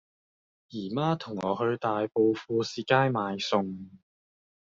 姨媽同我去大埔富善街買餸